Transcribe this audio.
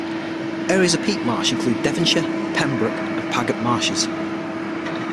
Areas of peat marsh include Devonshire, Pembroke, and Paget marshes.